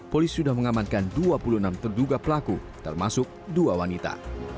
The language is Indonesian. polisi sudah mengamankan dua puluh enam terduga pelaku termasuk dua wanita